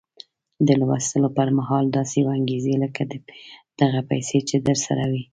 د لوستو پر مهال داسې وانګيرئ لکه دغه پيسې چې درسره وي.